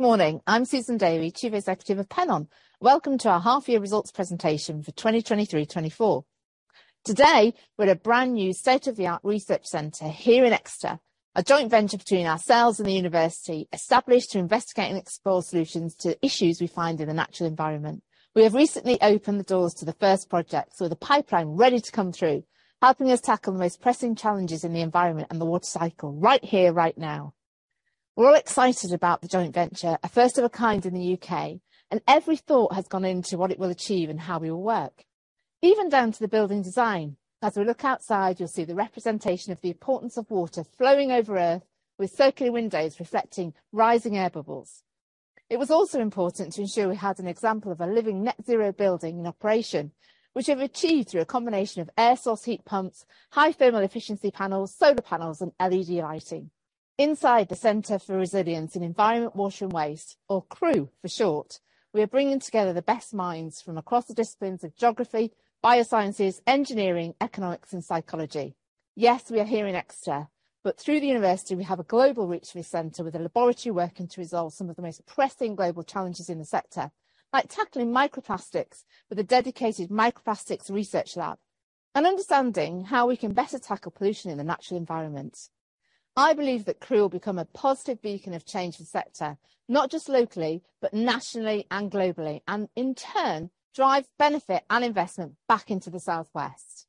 Good morning. I'm Susan Davy, Chief Executive of Pennon. Welcome to our half year results presentation for 2023-2024. Today, we're at a brand new state-of-the-art research center here in Exeter, a joint venture between ourselves and the university, established to investigate and explore solutions to issues we find in the natural environment. We have recently opened the doors to the first project, so the pipeline ready to come through, helping us tackle the most pressing challenges in the environment and the water cycle right here, right now. We're all excited about the joint venture, a first of a kind in the U.K., and every thought has gone into what it will achieve and how we will work. Even down to the building design. As we look outside, you'll see the representation of the importance of water flowing over Earth, with circular windows reflecting rising air bubbles. It was also important to ensure we had an example of a living net zero building in operation, which we have achieved through a combination of air source heat pumps, high thermal efficiency panels, solar panels, and LED lighting. Inside the Center for Resilience in Environment, Water and Waste, or CREWW for short, we are bringing together the best minds from across the disciplines of geography, biosciences, engineering, economics, and psychology. Yes, we are here in Exeter, but through the university we have a global reach for the center, with a laboratory working to resolve some of the most pressing global challenges in the sector. Like tackling microplastics with a dedicated microplastics research lab, and understanding how we can better tackle pollution in the natural environment. I believe that CREWW will become a positive beacon of change in the sector, not just locally, but nationally and globally, and in turn, drive benefit and investment back into the Southwest.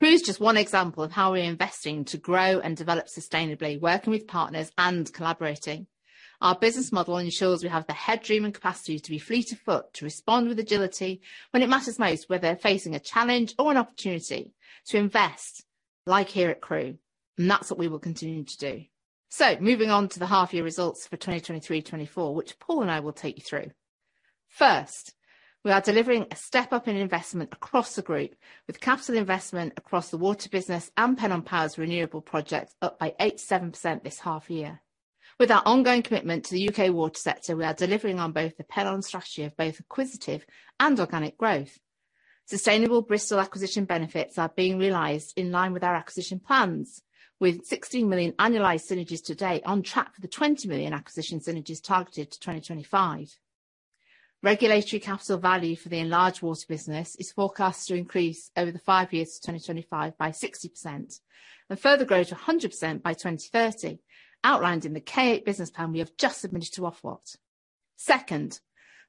CREWW is just one example of how we are investing to grow and develop sustainably, working with partners and collaborating. Our business model ensures we have the headroom and capacity to be fleet of foot, to respond with agility when it matters most, whether facing a challenge or an opportunity to invest, like here at CREWW, and that's what we will continue to do. So moving on to the half year results for 2023-2024, which Paul and I will take you through. First, we are delivering a step up in investment across the group, with capital investment across the water business and Pennon Power's renewable projects up by 87% this half year. With our ongoing commitment to the U.K. water sector, we are delivering on both the Pennon strategy of both acquisitive and organic growth. Sustainable Bristol acquisition benefits are being realized in line with our acquisition plans, with 16 million annualized synergies to date on track for the 20 million acquisition synergies targeted to 2025. Regulatory capital value for the enlarged water business is forecast to increase over the five years to 2025 by 60%, and further grow to 100% by 2030, outlined in the K8 business plan we have just submitted to Ofwat. Second,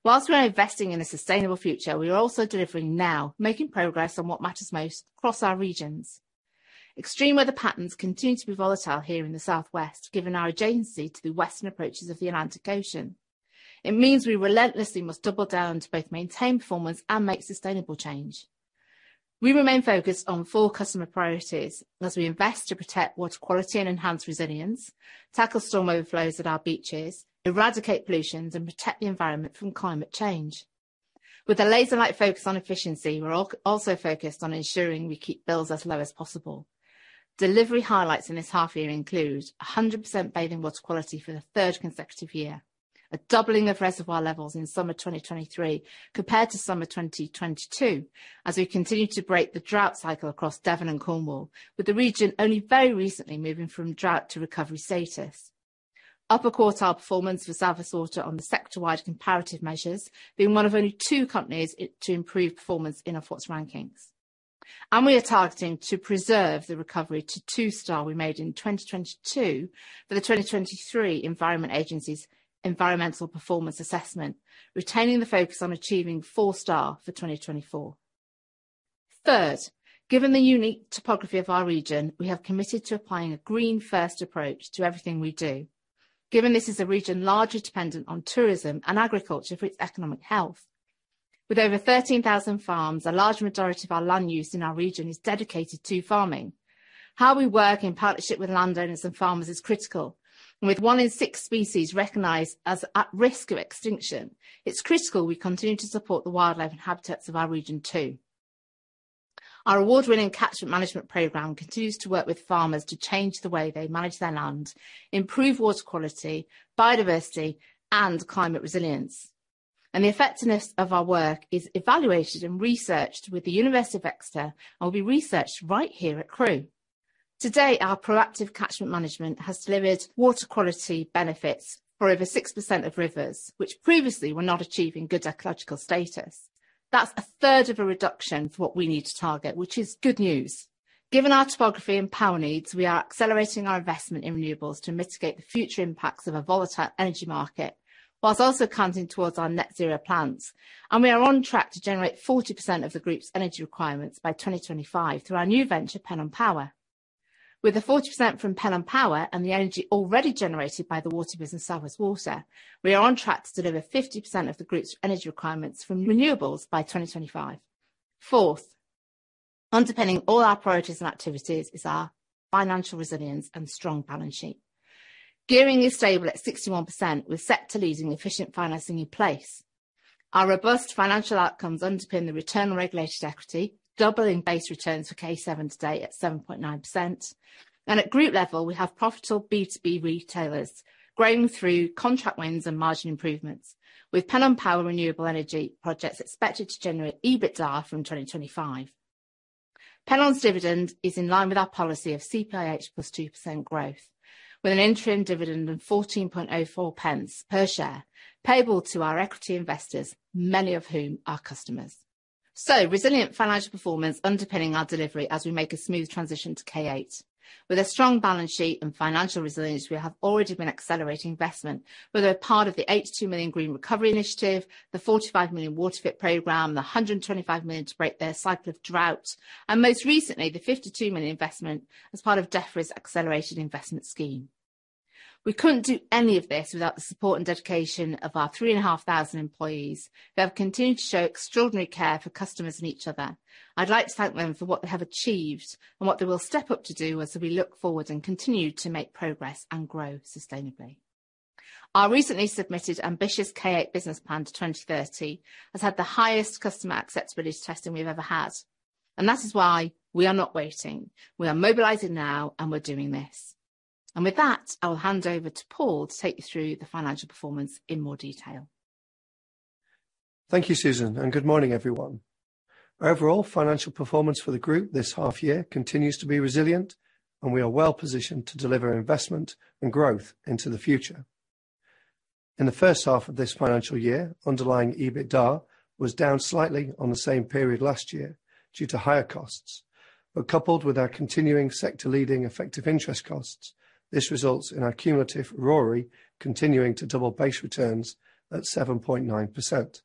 while we're investing in a sustainable future, we are also delivering now, making progress on what matters most across our regions. Extreme weather patterns continue to be volatile here in the southwest, given our adjacency to the western approaches of the Atlantic Ocean. It means we relentlessly must double down to both maintain performance and make sustainable change. We remain focused on four customer priorities as we invest to protect water quality and enhance resilience, tackle storm overflows at our beaches, eradicate pollutions, and protect the environment from climate change. With a laser-like focus on efficiency, we're also focused on ensuring we keep bills as low as possible. Delivery highlights in this half year include 100% bathing water quality for the third consecutive year. A doubling of reservoir levels in summer 2023 compared to summer 2022, as we continue to break the drought cycle across Devon and Cornwall, with the region only very recently moving from drought to recovery status. Upper quartile performance for South West Water on the sector-wide comparative measures, being one of only two companies to improve performance in Ofwat's rankings. We are targeting to preserve the recovery to two-star we made in 2022 for the 2023 Environment Agency's Environmental Performance Assessment, retaining the focus on achieving four-star for 2024. Third, given the unique topography of our region, we have committed to applying a green first approach to everything we do, given this is a region largely dependent on tourism and agriculture for its economic health. With over 13,000 farms, a large majority of our land use in our region is dedicated to farming. How we work in partnership with landowners and farmers is critical, and with one in six species recognized as at risk of extinction, it's critical we continue to support the wildlife and habitats of our region, too. Our award-winning catchment management program continues to work with farmers to change the way they manage their land, improve water quality, biodiversity, and climate resilience. The effectiveness of our work is evaluated and researched with the University of Exeter, and will be researched right here at CREWW. Today, our proactive catchment management has delivered water quality benefits for over 6% of rivers, which previously were not achieving good ecological status. That's a third of a reduction for what we need to target, which is good news. Given our topography and power needs, we are accelerating our investment in renewables to mitigate the future impacts of a volatile energy market, whilst also counting towards our net zero plans, and we are on track to generate 40% of the group's energy requirements by 2025 through our new venture, Pennon Power. With the 40% from Pennon Power and the energy already generated by the water business, South West Water, we are on track to deliver 50% of the group's energy requirements from renewables by 2025. Fourth, underpinning all our priorities and activities is our financial resilience and strong balance sheet. Gearing is stable at 61%, with sector leading efficient financing in place. Our robust financial outcomes underpin the return on regulated equity, doubling base returns for K7 to date at 7.9%. And at group level, we have profitable B2B retailers, growing through contract wins and margin improvements, with Pennon Power renewable energy projects expected to generate EBITDA from 2025.... Pennon's dividend is in line with our policy of CPIH plus 2% growth, with an interim dividend of 14.04 pence per share, payable to our equity investors, many of whom are customers. So, resilient financial performance underpinning our delivery as we make a smooth transition to K8. With a strong balance sheet and financial resilience, we have already been accelerating investment, whether part of the 82 million Green Recovery initiative, the 45 million WaterFit program, the 125 million to break their cycle of drought, and most recently, the 52 million investment as part of DEFRA's accelerated investment scheme. We couldn't do any of this without the support and dedication of our 3,500 employees, who have continued to show extraordinary care for customers and each other. I'd like to thank them for what they have achieved and what they will step up to do as we look forward and continue to make progress and grow sustainably. Our recently submitted ambitious K8 business plan to 2030 has had the highest customer acceptability testing we've ever had, and that is why we are not waiting. We are mobilizing now, and we're doing this. And with that, I'll hand over to Paul to take you through the financial performance in more detail. Thank you, Susan, and good morning, everyone. Our overall financial performance for the group this half year continues to be resilient, and we are well-positioned to deliver investment and growth into the future. In the first half of this financial year, underlying EBITDA was down slightly on the same period last year due to higher costs, but coupled with our continuing sector-leading effective interest costs, this results in our cumulative RORE continuing to double base returns at 7.9%.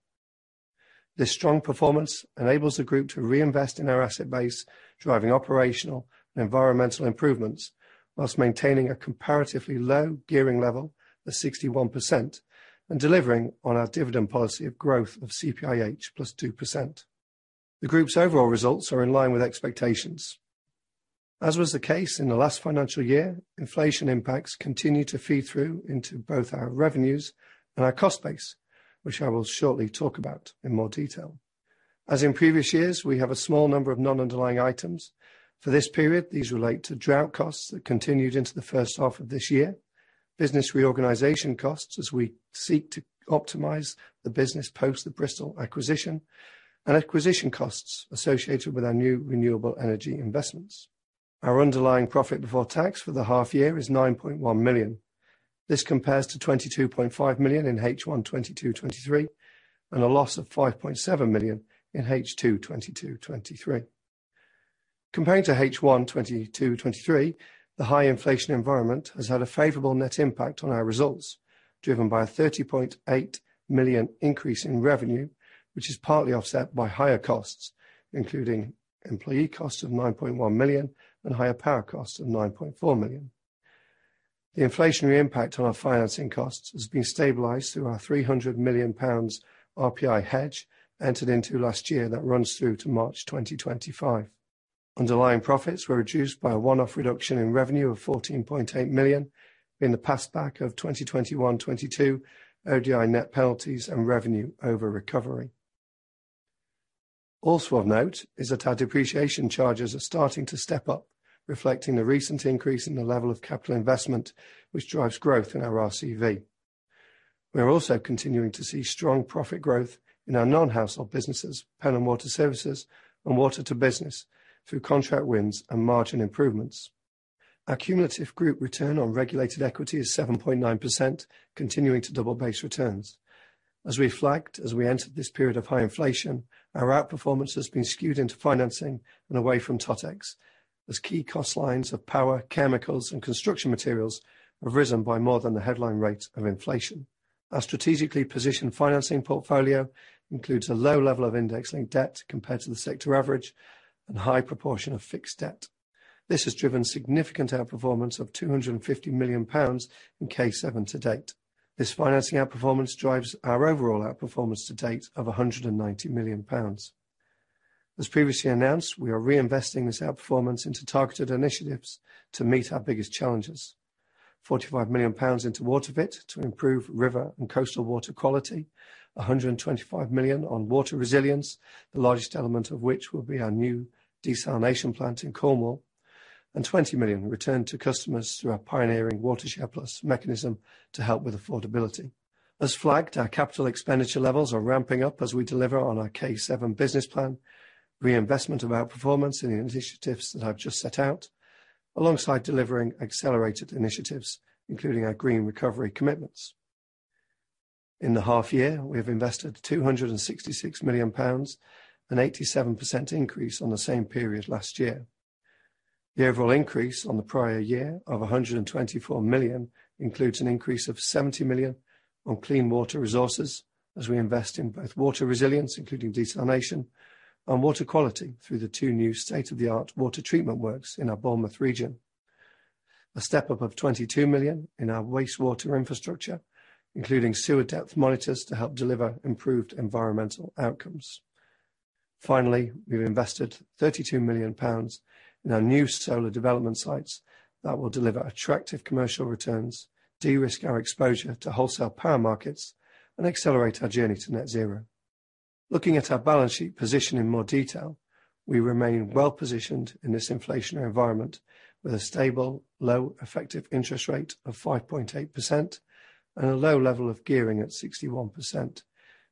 This strong performance enables the group to reinvest in our asset base, driving operational and environmental improvements, while maintaining a comparatively low gearing level of 61% and delivering on our dividend policy of growth of CPIH plus 2%. The group's overall results are in line with expectations. As was the case in the last financial year, inflation impacts continue to feed through into both our revenues and our cost base, which I will shortly talk about in more detail. As in previous years, we have a small number of non-underlying items. For this period, these relate to drought costs that continued into the first half of this year, business reorganization costs as we seek to optimize the business post the Bristol acquisition, and acquisition costs associated with our new renewable energy investments. Our underlying profit before tax for the half year is 9.1 million. This compares to 22.5 million in H1 2022-2023, and a loss of 5.7 million in H2 2022-2023. Comparing to H1 2022-2023, the high inflation environment has had a favorable net impact on our results, driven by a 30.8 million increase in revenue, which is partly offset by higher costs, including employee costs of 9.1 million and higher power costs of 9.4 million. The inflationary impact on our financing costs has been stabilized through our 300 million pounds RPI hedge, entered into last year, that runs through to March 2025. Underlying profits were reduced by a one-off reduction in revenue of 14.8 million in the pass-back of 2021-2022, ODI net penalties and revenue over recovery. Also of note is that our depreciation charges are starting to step up, reflecting the recent increase in the level of capital investment, which drives growth in our RCV. We are also continuing to see strong profit growth in our non-household businesses, Pennon Water Services and water2business, through contract wins and margin improvements. Our cumulative group return on regulated equity is 7.9%, continuing to double base returns. As we flagged, as we entered this period of high inflation, our outperformance has been skewed into financing and away from TotEx, as key cost lines of power, chemicals, and construction materials have risen by more than the headline rate of inflation. Our strategically positioned financing portfolio includes a low level of index-linked debt compared to the sector average and a high proportion of fixed debt. This has driven significant outperformance of 250 million pounds in K7 to date. This financing outperformance drives our overall outperformance to date of 190 million pounds. As previously announced, we are reinvesting this outperformance into targeted initiatives to meet our biggest challenges: 45 million pounds into WaterFit to improve river and coastal water quality, 125 million on water resilience, the largest element of which will be our new desalination plant in Cornwall, and 20 million returned to customers through our pioneering Watershare+ mechanism to help with affordability. As flagged, our capital expenditure levels are ramping up as we deliver on our K7 business plan, reinvestment of outperformance in the initiatives that I've just set out, alongside delivering accelerated initiatives, including our Green Recovery commitments. In the half year, we have invested 266 million pounds, an 87% increase on the same period last year. The overall increase on the prior year of 124 million includes an increase of 70 million on clean water resources as we invest in both water resilience, including desalination, and water quality through the two new state-of-the-art water treatment works in our Bournemouth region. A step-up of 22 million in our wastewater infrastructure, including sewer depth monitors, to help deliver improved environmental outcomes. Finally, we've invested 32 million pounds in our new solar development sites that will deliver attractive commercial returns, de-risk our exposure to wholesale power markets, and accelerate our journey to net zero. Looking at our balance sheet position in more detail, we remain well-positioned in this inflationary environment, with a stable, low effective interest rate of 5.8% and a low level of gearing at 61%,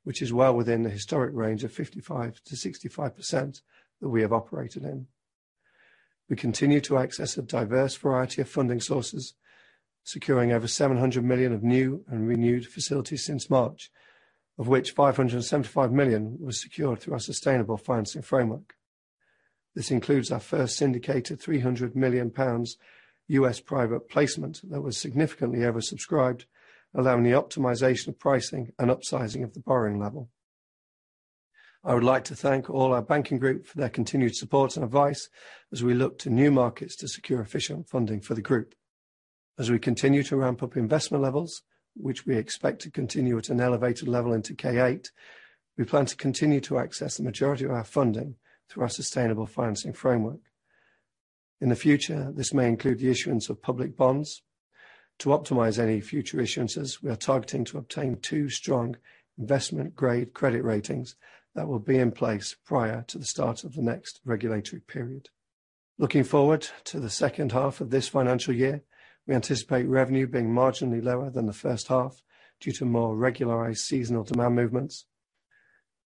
which is well within the historic range of 55%-65% that we have operated in. We continue to access a diverse variety of funding sources, securing over 700 million of new and renewed facilities since March, of which 575 million was secured through our sustainable financing framework. This includes our first syndicated GBP 300 million U.S. private placement that was significantly oversubscribed, allowing the optimization of pricing and upsizing of the borrowing level. I would like to thank all our banking group for their continued support and advice as we look to new markets to secure efficient funding for the group. As we continue to ramp up investment levels, which we expect to continue at an elevated level into K8, we plan to continue to access the majority of our funding through our sustainable financing framework. In the future, this may include the issuance of public bonds. To optimize any future issuances, we are targeting to obtain two strong investment-grade credit ratings that will be in place prior to the start of the next regulatory period. Looking forward to the second half of this financial year, we anticipate revenue being marginally lower than the first half due to more regularized seasonal demand movements.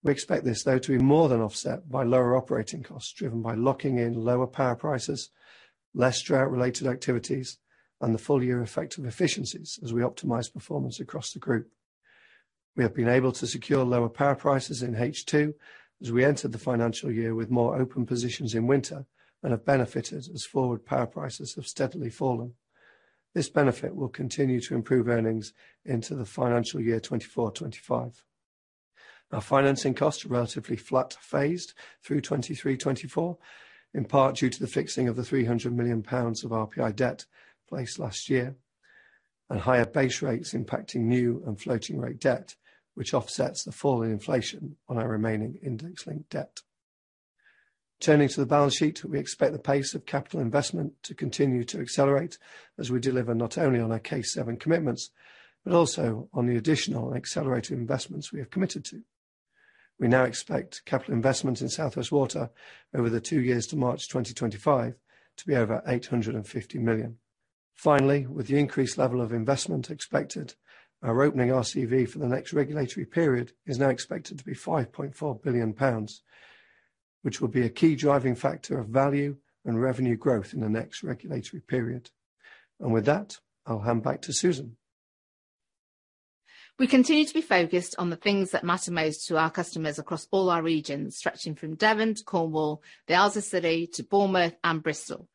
We expect this, though, to be more than offset by lower operating costs, driven by locking in lower power prices, less drought-related activities, and the full year effect of efficiencies as we optimize performance across the group. We have been able to secure lower power prices in H2 as we entered the financial year with more open positions in winter and have benefited as forward power prices have steadily fallen. This benefit will continue to improve earnings into the financial year 2024, 2025. Our financing costs are relatively flat to phased through 2023, 2024, in part due to the fixing of 300 million pounds of RPI debt placed last year, and higher base rates impacting new and floating rate debt, which offsets the fall in inflation on our remaining index-linked debt. Turning to the balance sheet, we expect the pace of capital investment to continue to accelerate as we deliver not only on our K7 commitments, but also on the additional accelerated investments we have committed to. We now expect capital investment in South West Water over the two years to March 2025 to be over 850 million. Finally, with the increased level of investment expected, our opening RCV for the next regulatory period is now expected to be 5.4 billion pounds, which will be a key driving factor of value and revenue growth in the next regulatory period. With that, I'll hand back to Susan. We continue to be focused on the things that matter most to our customers across all our regions, stretching from Devon to Cornwall, the Isles of Scilly to Bournemouth and Bristol.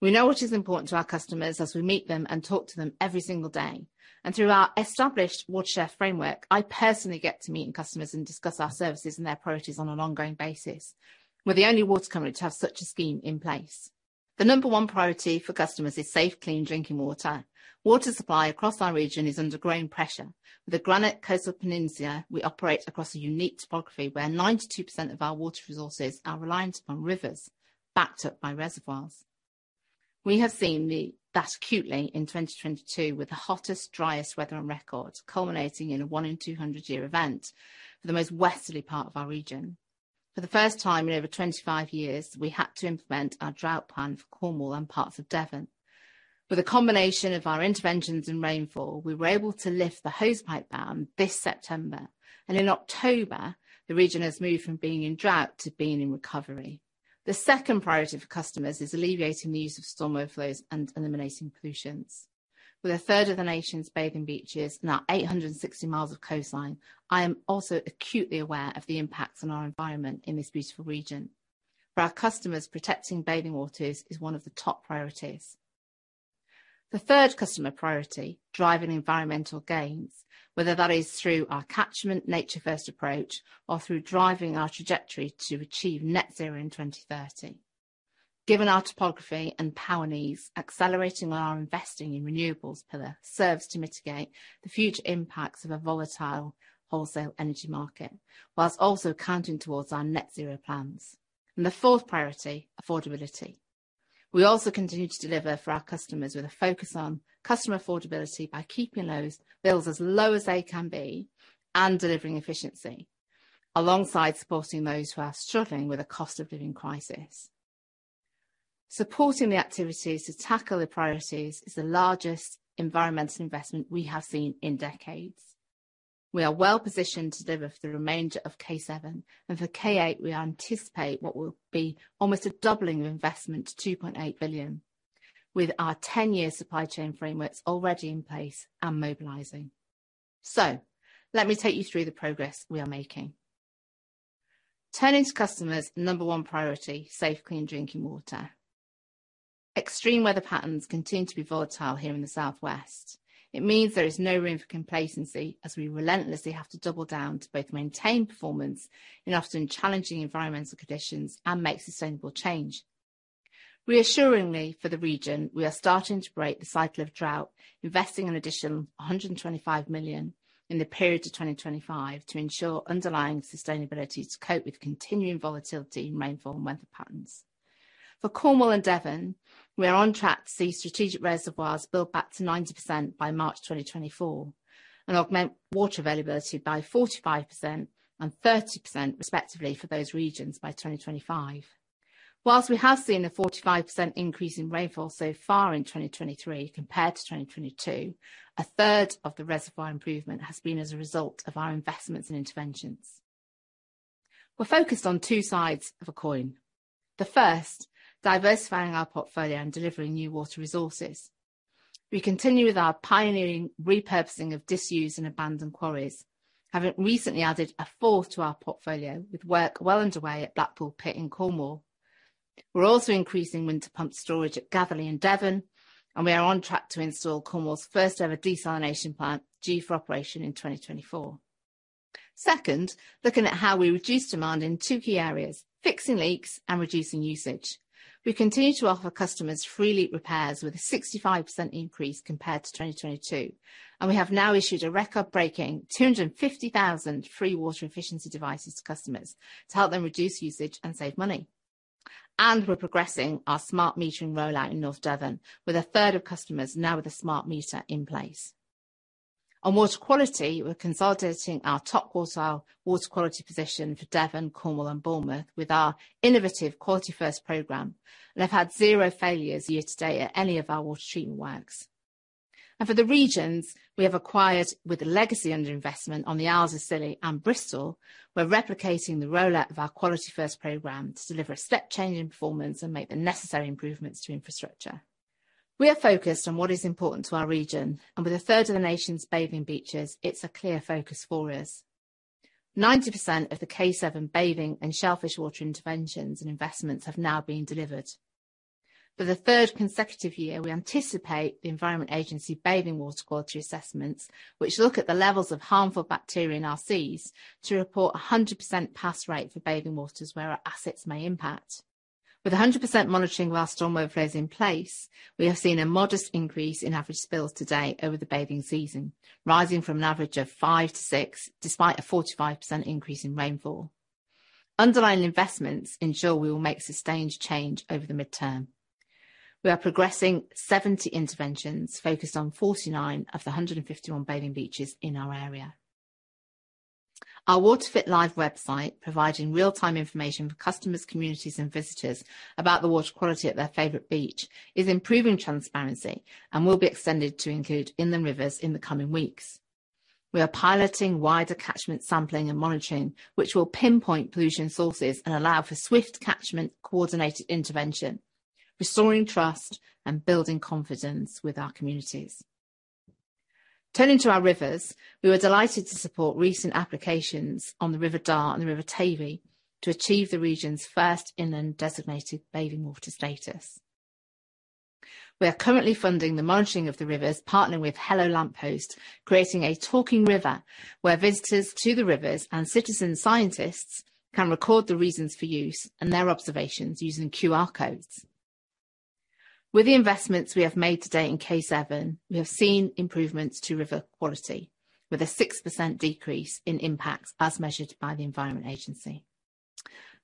We know what is important to our customers as we meet them and talk to them every single day. Through our established WaterShare framework, I personally get to meet customers and discuss our services and their priorities on an ongoing basis. We're the only water company to have such a scheme in place. The number one priority for customers is safe, clean drinking water. Water supply across our region is under growing pressure. With the granite coast of the peninsula, we operate across a unique topography, where 92% of our water resources are reliant upon rivers, backed up by reservoirs. We have seen that acutely in 2022, with the hottest, driest weather on record, culminating in a 1 in 200-year event for the most westerly part of our region. For the first time in over 25 years, we had to implement our drought plan for Cornwall and parts of Devon. With a combination of our interventions and rainfall, we were able to lift the hosepipe ban this September, and in October, the region has moved from being in drought to being in recovery. The second priority for customers is alleviating the use of storm overflows and eliminating pollutions. With a third of the nation's bathing beaches, now 860 miles of coastline, I am also acutely aware of the impacts on our environment in this beautiful region. For our customers, protecting bathing waters is one of the top priorities. The third customer priority, driving environmental gains, whether that is through our catchment nature-first approach, or through driving our trajectory to achieve net zero in 2030. Given our topography and power needs, accelerating our investing in renewables pillar serves to mitigate the future impacts of a volatile wholesale energy market, whilst also counting towards our net zero plans. The fourth priority, affordability. We also continue to deliver for our customers with a focus on customer affordability by keeping those bills as low as they can be and delivering efficiency, alongside supporting those who are struggling with the cost of living crisis. Supporting the activities to tackle the priorities is the largest environmental investment we have seen in decades. We are well-positioned to deliver for the remainder of K7, and for K8, we anticipate what will be almost a doubling of investment to 2.8 billion, with our 10-year supply chain frameworks already in place and mobilizing. So let me take you through the progress we are making. Turning to customers' number one priority, safe, clean drinking water. Extreme weather patterns continue to be volatile here in the Southwest. It means there is no room for complacency, as we relentlessly have to double down to both maintain performance in often challenging environmental conditions and make sustainable change. Reassuringly for the region, we are starting to break the cycle of drought, investing an additional 125 million in the period to 2025 to ensure underlying sustainability to cope with continuing volatility in rainfall and weather patterns. For Cornwall and Devon, we are on track to see strategic reservoirs built back to 90% by March 2024, and augment water availability by 45% and 30%, respectively, for those regions by 2025. While we have seen a 45% increase in rainfall so far in 2023 compared to 2022, a third of the reservoir improvement has been as a result of our investments and interventions. We're focused on two sides of a coin. The first, diversifying our portfolio and delivering new water resources. We continue with our pioneering repurposing of disused and abandoned quarries, having recently added a fourth to our portfolio, with work well underway at Blackpool Pit in Cornwall. We're also increasing winter pump storage at Gatherley in Devon, and we are on track to install Cornwall's first-ever desalination plant, due for operation in 2024. Second, looking at how we reduce demand in two key areas: fixing leaks and reducing usage. We continue to offer customers free leak repairs, with a 65% increase compared to 2022, and we have now issued a record-breaking 250,000 free water efficiency devices to customers to help them reduce usage and save money. We're progressing our smart metering rollout in North Devon, with a third of customers now with a smart meter in place. On water quality, we're consolidating our top quartile water quality position for Devon, Cornwall and Bournemouth with our innovative Quality First program, and have had zero failures year-to-date at any of our water treatment works. For the regions we have acquired, with the legacy underinvestment on the Isles of Scilly and Bristol, we're replicating the rollout of our Quality First program to deliver a step change in performance and make the necessary improvements to infrastructure. We are focused on what is important to our region, and with a third of the nation's bathing beaches, it's a clear focus for us. 90% of the K7 bathing and shellfish water interventions and investments have now been delivered. For the third consecutive year, we anticipate the Environment Agency bathing water quality assessments, which look at the levels of harmful bacteria in our seas, to report 100% pass rate for bathing waters where our assets may impact. With 100% monitoring of our storm overflows in place, we have seen a modest increase in average spills today over the bathing season, rising from an average of 5-6, despite a 45% increase in rainfall. Underlying investments ensure we will make sustained change over the midterm. We are progressing 70 interventions focused on 49 of the 151 bathing beaches in our area. Our WaterFit Live website, providing real-time information for customers, communities and visitors about the water quality at their favorite beach, is improving transparency and will be extended to include inland rivers in the coming weeks. We are piloting wider catchment sampling and monitoring, which will pinpoint pollution sources and allow for swift catchment, coordinated intervention, restoring trust and building confidence with our communities. Turning to our rivers, we were delighted to support recent applications on the River Dart and the River Tavy to achieve the region's first inland designated bathing water status. We are currently funding the monitoring of the rivers, partnering with Hello Lamp Post, creating a talking river, where visitors to the rivers and citizen scientists can record the reasons for use and their observations using QR codes. With the investments we have made to date in K7, we have seen improvements to river quality, with a 6% decrease in impacts as measured by the Environment Agency.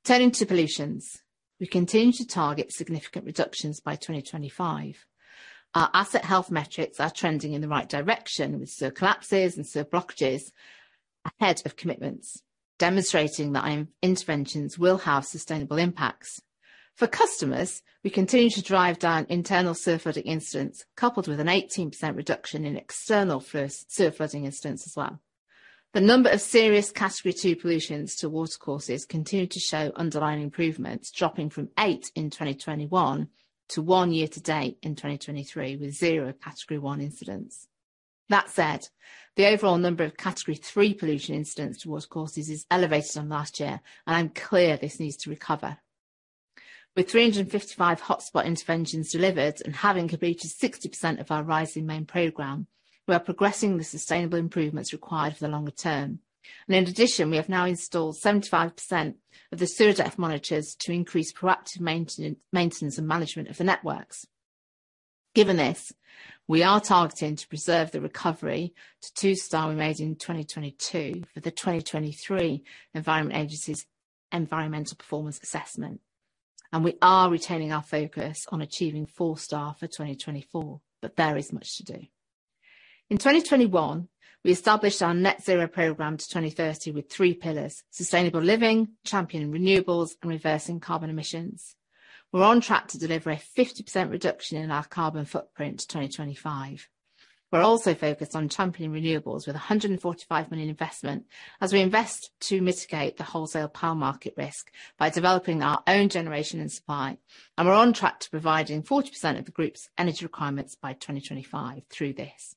Turning to pollution. We continue to target significant reductions by 2025. Our asset health metrics are trending in the right direction, with sewer collapses and sewer blockages ahead of commitments, demonstrating that interventions will have sustainable impacts. For customers, we continue to drive down internal sewer flooding incidents, coupled with an 18% reduction in external sewer flooding incidents as well. The number of serious Category Two pollutions to watercourses continue to show underlying improvements, dropping from eight in 2021 to one year-to-date in 2023, with zero Category One incidents. That said, the overall number of Category Three pollution incidents to watercourses is elevated on last year, and I'm clear this needs to recover. With 355 hotspot interventions delivered and having completed 60% of our rising main program, we are progressing the sustainable improvements required for the longer term. In addition, we have now installed 75% of the sewer depth monitors to increase proactive maintenance and management of the networks. Given this, we are targeting to preserve the recovery to two-star we made in 2022 for the 2023 Environment Agency's Environmental Performance Assessment, and we are retaining our focus on achieving four-star for 2024. But there is much to do. In 2021, we established our net zero program to 2030, with three pillars: sustainable living, championing renewables, and reversing carbon emissions. We're on track to deliver a 50% reduction in our carbon footprint to 2025. We're also focused on championing renewables with a 145 million investment as we invest to mitigate the wholesale power market risk by developing our own generation and supply. And we're on track to providing 40% of the group's energy requirements by 2025 through this.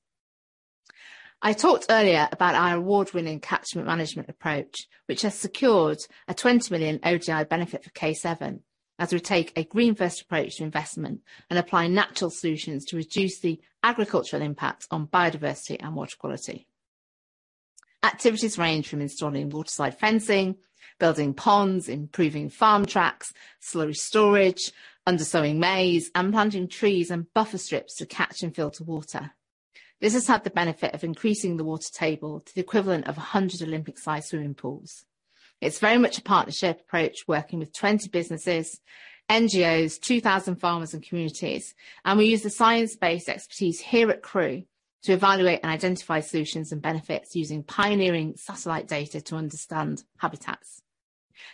I talked earlier about our award-winning catchment management approach, which has secured a 20 million ODI benefit for K7 as we take a green first approach to investment and apply natural solutions to reduce the agricultural impacts on biodiversity and water quality. Activities range from installing waterside fencing, building ponds, improving farm tracks, slurry storage, undersowing maize, and planting trees and buffer strips to catch and filter water. This has had the benefit of increasing the water table to the equivalent of 100 Olympic-sized swimming pools. It's very much a partnership approach, working with 20 businesses, NGOs, 2,000 farmers and communities, and we use the science-based expertise here at CREWW to evaluate and identify solutions and benefits using pioneering satellite data to understand habitats.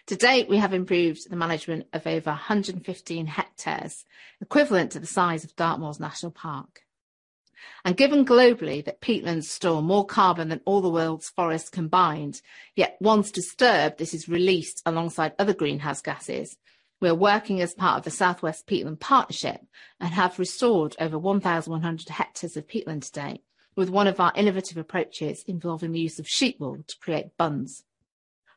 To date, we have improved the management of over 115 hectares, equivalent to the size of Dartmoor National Park. Given globally that peatlands store more carbon than all the world's forests combined, yet once disturbed, this is released alongside other greenhouse gases. We are working as part of the South West Peatland Partnership, and have restored over 1,100 hectares of peatland to date, with one of our innovative approaches involving the use of sheep wool to create bungs.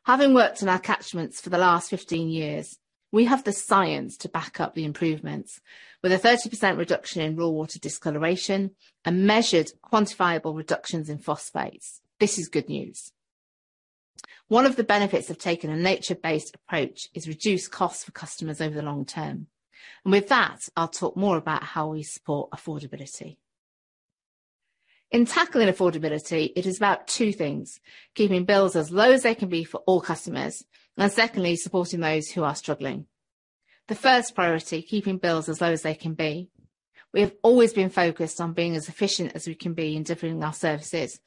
Having worked in our catchments for the last 15 years, we have the science to back up the improvements, with a 30% reduction in raw water discoloration and measured quantifiable reductions in phosphates. This is good news. One of the benefits of taking a nature-based approach is reduced costs for customers over the long term, and with that, I'll talk more about how we support affordability. In tackling affordability, it is about two things: keeping bills as low as they can be for all customers, and secondly, supporting those who are struggling. The first priority, keeping bills as low as they can be. We have always been focused on being as efficient as we can be in delivering our services.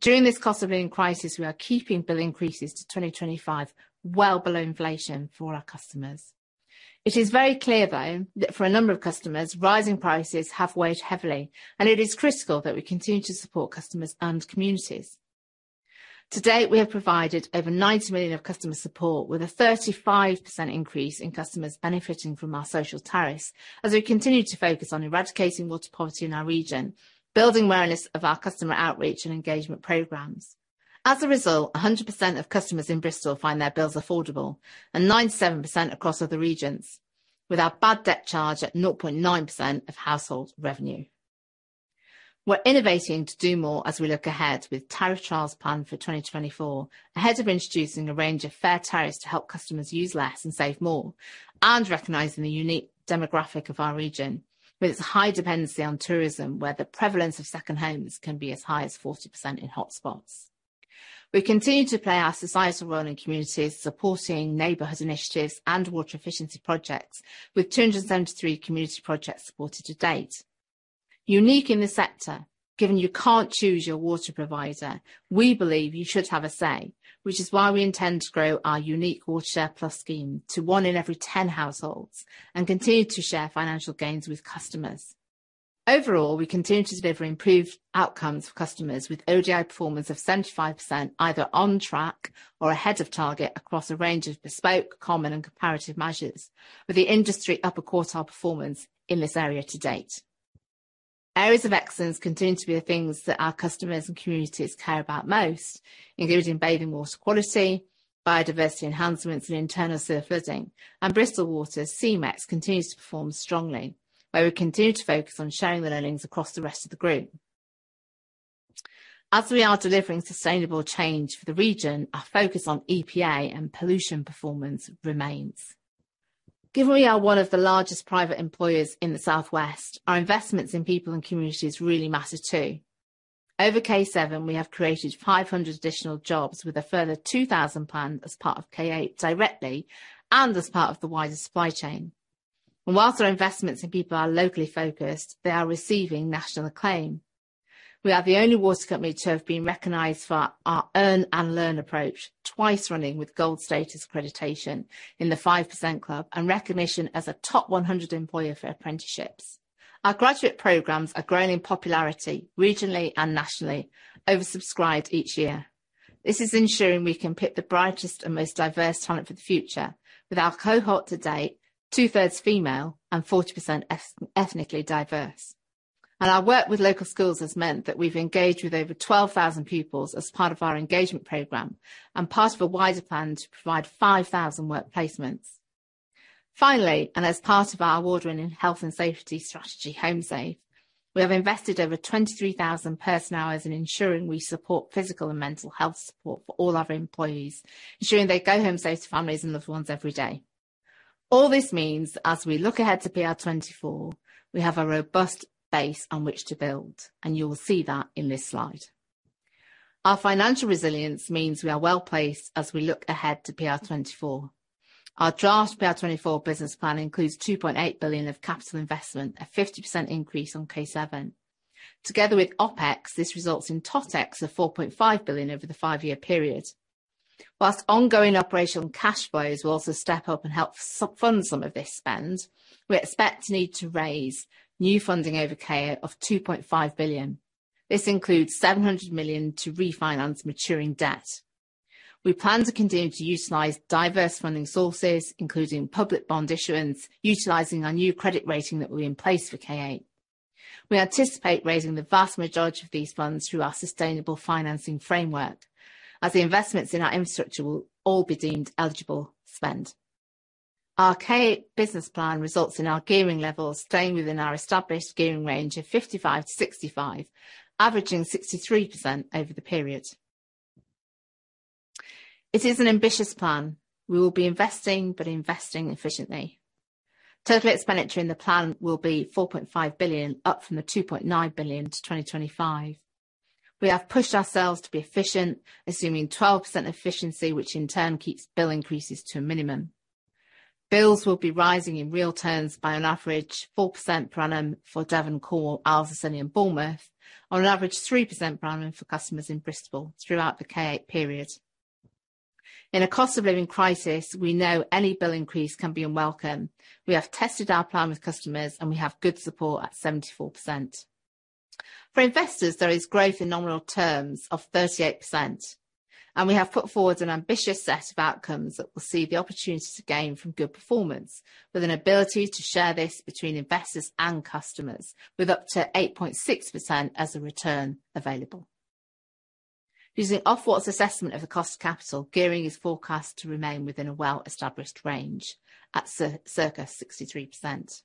During this cost of living crisis, we are keeping bill increases to 2025, well below inflation for all our customers. It is very clear, though, that for a number of customers, rising prices have weighed heavily, and it is critical that we continue to support customers and communities. To date, we have provided over 90 million of customer support, with a 35% increase in customers benefiting from our social tariffs, as we continue to focus on eradicating water poverty in our region, building awareness of our customer outreach and engagement programs. As a result, 100% of customers in Bristol find their bills affordable, and 97% across other regions, with our bad debt charge at 0.9% of household revenue. We're innovating to do more as we look ahead with tariff trials planned for 2024, ahead of introducing a range of fair tariffs to help customers use less and save more, and recognizing the unique demographic of our region, with its high dependency on tourism, where the prevalence of second homes can be as high as 40% in hot spots. We continue to play our societal role in communities, supporting neighborhood initiatives and water efficiency projects, with 273 community projects supported to date. Unique in the sector, given you can't choose your water provider, we believe you should have a say, which is why we intend to grow our unique WaterShare+ scheme to one in every 10 households, and continue to share financial gains with customers. Overall, we continue to deliver improved outcomes for customers with OGI performance of 75%, either on track or ahead of target across a range of bespoke, common, and comparative measures, with the industry upper quartile performance in this area to date. Areas of excellence continue to be the things that our customers and communities care about most, including bathing water quality, biodiversity enhancements, and internal sewer flooding. Bristol Water's C-MeX continues to perform strongly, where we continue to focus on sharing the learnings across the rest of the group. As we are delivering sustainable change for the region, our focus on EPA and pollution performance remains. Given we are one of the largest private employers in the southwest, our investments in people and communities really matter, too. Over K7, we have created 500 additional jobs with a further 2,000 planned as part of K8 directly, and as part of the wider supply chain. While our investments in people are locally focused, they are receiving national acclaim. We are the only water company to have been recognized for our earn and learn approach, twice running with Gold Status Accreditation in the 5% Club, and recognition as a Top 100 Employer for Apprenticeships. Our graduate programs are growing in popularity regionally and nationally, oversubscribed each year. This is ensuring we can pick the brightest and most diverse talent for the future, with our cohort to date, two-thirds female and 40% ethnically diverse. Our work with local schools has meant that we've engaged with over 12,000 pupils as part of our engagement program and part of a wider plan to provide 5,000 work placements. Finally, and as part of our award-winning health and safety strategy, Home Safe, we have invested over 23,000 person-hours in ensuring we support physical and mental health support for all our employees, ensuring they go Home Safe to families and loved ones every day. All this means, as we look ahead to PR24, we have a robust base on which to build, and you will see that in this slide. Our financial resilience means we are well-placed as we look ahead to PR24. Our draft PR24 business plan includes 2.8 billion of capital investment, a 50% increase on K7. Together with OpEx, this results in TotEx of 4.5 billion over the five-year period. While ongoing operational cash flows will also step up and help fund some of this spend, we expect to need to raise new funding over K8 of 2.5 billion. This includes 700 million to refinance maturing debt. We plan to continue to utilize diverse funding sources, including public bond issuance, utilizing our new credit rating that will be in place for K8. We anticipate raising the vast majority of these funds through our sustainable financing framework, as the investments in our infrastructure will all be deemed eligible spend. Our K8 business plan results in our gearing levels staying within our established gearing range of 55-65, averaging 63% over the period. It is an ambitious plan. We will be investing, but investing efficiently. Total expenditure in the plan will be 4.5 billion, up from the 2.9 billion to 2025. We have pushed ourselves to be efficient, assuming 12% efficiency, which in turn keeps bill increases to a minimum. Bills will be rising in real terms by an average 4% per annum for Devon, Cornwall, Isles of Scilly, and Bournemouth, on an average 3% per annum for customers in Bristol throughout the K8 period. In a cost of living crisis, we know any bill increase can be unwelcome. We have tested our plan with customers, and we have good support at 74%. For investors, there is growth in nominal terms of 38%, and we have put forward an ambitious set of outcomes that will see the opportunities to gain from good performance, with an ability to share this between investors and customers, with up to 8.6% as a return available. Using Ofwat's assessment of the cost of capital, gearing is forecast to remain within a well-established range at circa 63%.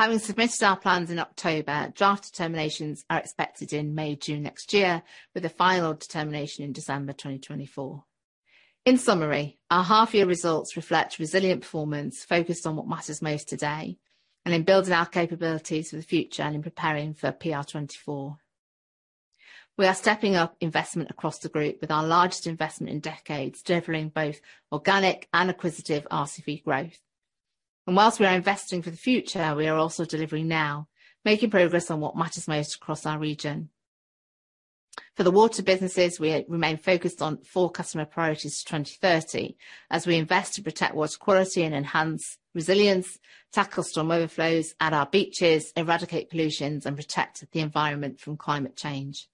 Having submitted our plans in October, draft determinations are expected in May, June next year, with a final determination in December 2024. In summary, our half-year results reflect resilient performance focused on what matters most today and in building our capabilities for the future and in preparing for PR24. We are stepping up investment across the group with our largest investment in decades, delivering both organic and acquisitive RCV growth. While we are investing for the future, we are also delivering now, making progress on what matters most across our region. For the water businesses, we remain focused on four customer priorities to 2030, as we invest to protect water quality and enhance resilience, tackle storm overflows at our beaches, eradicate pollutions, and protect the environment from climate change.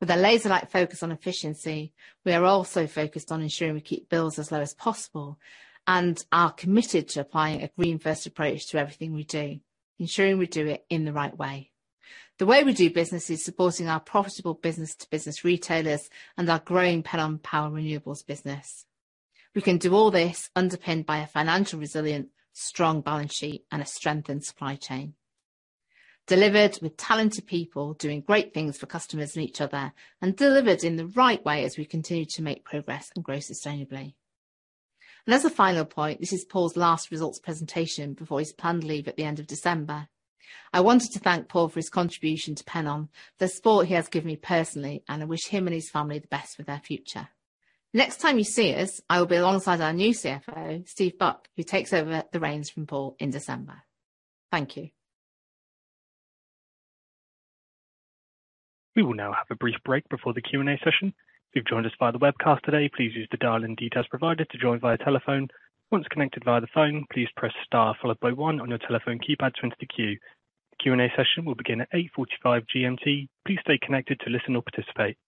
With a laser-like focus on efficiency, we are also focused on ensuring we keep bills as low as possible and are committed to applying a green first approach to everything we do, ensuring we do it in the right way. The way we do business is supporting our profitable business-to-business retailers and our growing Pennon Power renewables business. We can do all this underpinned by a financial resilient, strong balance sheet and a strengthened supply chain. Delivered with talented people, doing great things for customers and each other, and delivered in the right way as we continue to make progress and grow sustainably. As a final point, this is Paul's last results presentation before his planned leave at the end of December. I wanted to thank Paul for his contribution to Pennon, the support he has given me personally, and I wish him and his family the best for their future. Next time you see us, I will be alongside our new CFO, Steve Buck, who takes over the reins from Paul in December. Thank you. We will now have a brief break before the Q&A session. If you've joined us via the webcast today, please use the dial-in details provided to join via telephone. Once connected via the phone, please press star followed by one on your telephone keypad to enter the queue. The Q&A session will begin at 8:45 GMT. Please stay connected to listen or participate. Thank you.